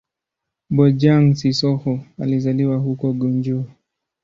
Bojang-Sissoho alizaliwa huko Gunjur.